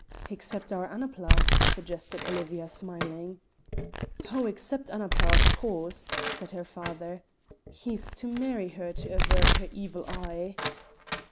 "Except our Annapla," suggested Olivia, smiling. "Oh, except Annapla, of course!" said her father. "He's to marry her to avert her Evil Eye."